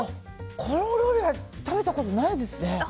このお料理は食べたことないですね。